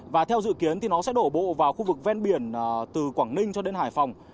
và theo dự kiến thì nó sẽ đổ bộ vào khu vực ven biển từ quảng ninh cho đến hải phòng